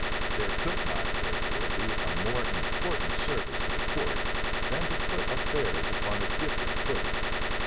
There could not, therefore, be a more important service to the court than to put affairs upon a different footing.